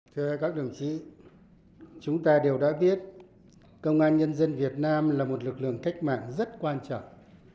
thưa các đồng chí chúng ta đều đã biết công an nhân dân việt nam là một lực lượng cách mạng rất quan trọng